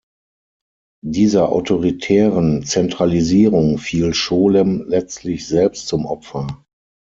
Dieser autoritären Zentralisierung fiel Scholem letztlich selbst zum Opfer.